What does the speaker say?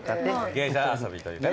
芸者遊びというか。